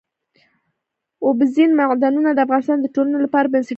اوبزین معدنونه د افغانستان د ټولنې لپاره بنسټيز رول لري.